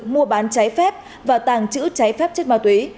mua bán trái phép và tàng trữ cháy phép chất ma túy